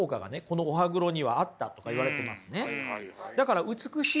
このお歯黒にはあったとかいわれてますね。